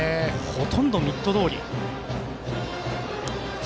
ほとんどミットどおり。